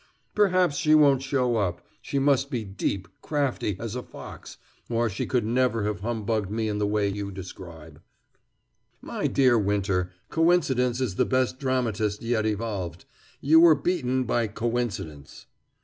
"Perhaps she won't show up. She must be deep, crafty as a fox, or she could never have humbugged me in the way you describe." "My dear Winter, coincidence is the best dramatist yet evolved. You were beaten by coincidence."